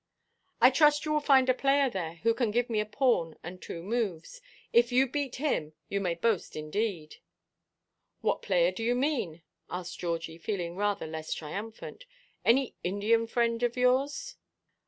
"I trust you will find a player there who can give me a pawn and two moves. If you beat him, you may boast indeed." "What player do you mean?" asked Georgie, feeling rather less triumphant. "Any Indian friend of yours?"